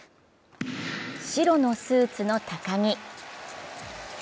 白のスーツの高木。